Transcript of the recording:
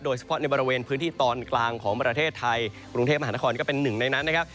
เฉพาะในบริเวณพื้นที่ตอนกลางของประเทศไทยกรุงเทพมหานครก็เป็นหนึ่งในนั้นนะครับ